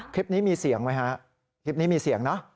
คลิปนี้มีเสียงไหมฮะคลิปนี้มีเสียงเนอะ